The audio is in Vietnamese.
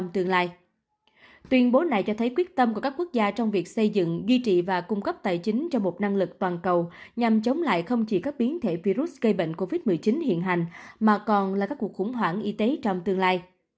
tuyên bố này cho thấy quyết tâm của các quốc gia trong việc xây dựng duy trì và cung cấp tài chính cho một năng lực toàn cầu nhằm chống lại không chỉ các biến thể virus gây bệnh covid một mươi chín hiện hành mà còn là các cuộc khủng hoảng y tế trong tương lai